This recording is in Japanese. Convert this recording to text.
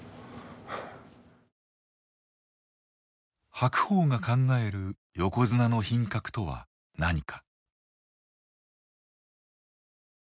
白鵬が考える「横綱の品格」とは何か。